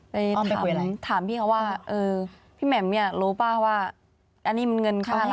ไปถามพี่เขาว่าพี่แหม่มเนี่ยรู้ป่าวว่าอันนี้มันเงินค่าอะไร